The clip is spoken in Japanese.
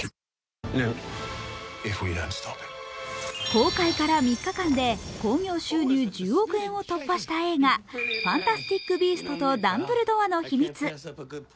公開から３日間で興行収入１０億円を突破した映画「ファンタスティック・ビーストとダンブルドアの秘密」。